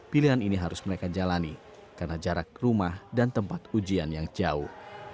pilihan ini harus mereka jalani karena jarak rumah dan tempat ujian yang jauh